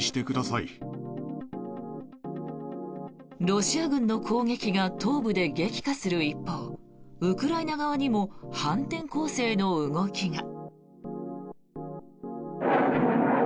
ロシア軍の攻撃が東部で激化する一方ウクライナ側にも反転攻勢の動きが。